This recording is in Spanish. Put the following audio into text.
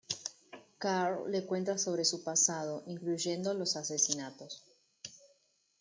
Karl le cuenta sobre su pasado, incluyendo los asesinatos.